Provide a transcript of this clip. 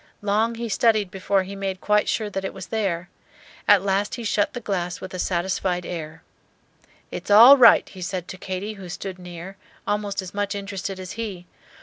Long he studied before he made quite sure that it was there. At last he shut the glass with a satisfied air. "It's all right," he said to Katy, who stood near, almost as much interested as he.